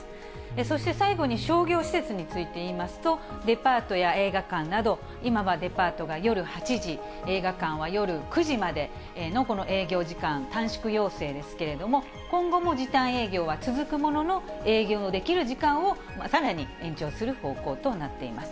そして最後に商業施設についていいますと、デパートや映画館など、今はデパートが夜８時、映画館は夜９時までの営業時間短縮要請ですけれども、今後も時短営業は続くものの、営業できる時間をさらに延長する方向となっています。